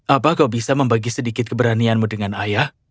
apa kau bisa membagi sedikit keberanianmu dengan ayah